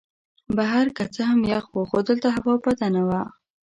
بهر که څه هم یخ وو خو دلته هوا بده نه وه.